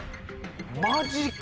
マジか。